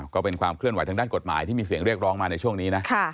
ก็เป็นความเคลื่อนไหทางด้านกฎหมายที่มีเสียงเรียกร้องมาในช่วงนี้นะ